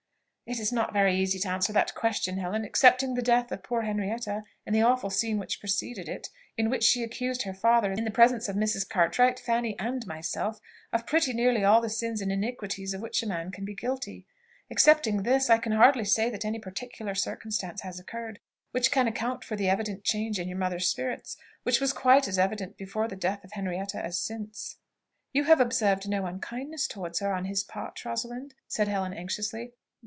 "It is not very easy to answer that question, Helen. Excepting the death of poor Henrietta, and the awful scene which preceded it, in which she accused her father, in the presence of Mrs. Cartwright, Fanny, and myself, of pretty nearly all the sins and iniquities of which a man can be guilty; excepting this, I can hardly say that any particular circumstance has occurred which can account for the evident change in your mother's spirits, which was quite as evident before the death of Henrietta as since." "You have observed no unkindness towards her on his part, Rosalind?" said Helen anxiously.